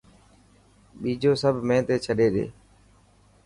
ٻيجو سب مين تي ڇڏي ڏي.